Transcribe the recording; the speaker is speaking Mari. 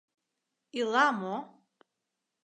Ила мо?